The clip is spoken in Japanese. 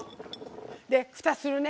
ふたするね。